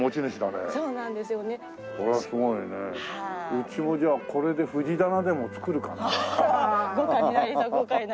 うちもじゃあこれで藤棚でも作るかな。